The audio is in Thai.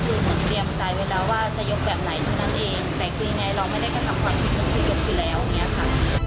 แต่คือยังไงเราไม่ได้กระทำความผิดก็คือยกอยู่แล้วเนี่ยค่ะ